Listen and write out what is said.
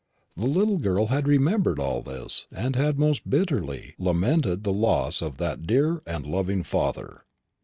The little girl had remembered all this, and had most bitterly lamented the loss of that dear and loving father.